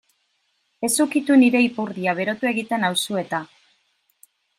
Ez ukitu nire ipurdia berotu egiten nauzu eta.